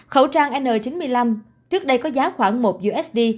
khẩu trang n chín mươi năm trước đây có giá khoảng một usd